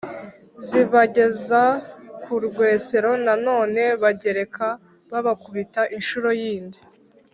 zibageza ku rwesero. na none abagereka, babakubita inshuro y'indi